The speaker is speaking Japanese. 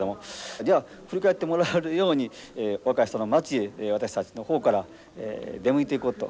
じゃあ振り返ってもらえるように若い人の街へ私たちの方から出向いていこうと。